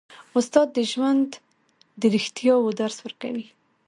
استاد د ژوند د رښتیاوو درس ورکوي.